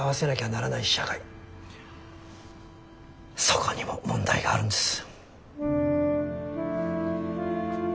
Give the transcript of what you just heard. そこにも問題があるんです。